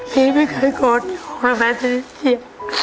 พี่ไม่เคยโกรธมาได้เรือเชี่ย